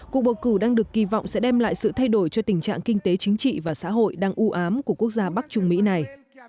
cuộc bầu cử đang được kỳ vọng sẽ đem lại sự thay đổi cho tình trạng kinh tế chính trị và xã hội đang ưu ám của quốc gia bắc trung mỹ này